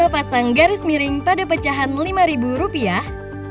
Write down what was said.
pasang garis miring pada pecahan lima ribu rupiah